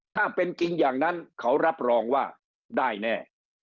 ถ้าเป็นจริงอย่างนั้นเขารับรองว่าได้แน่